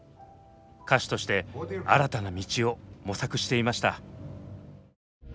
歌手として新たな道を模索していました。